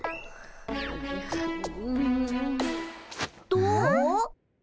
どう？